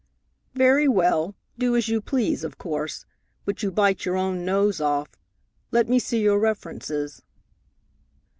"Very well, do as you please, of course, but you bite your own nose off. Let me see your references."